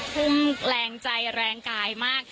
ทุ่มแรงใจแรงกายมาก